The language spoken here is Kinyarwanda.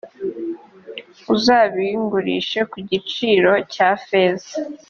uzabingurishe ku giciro cya feza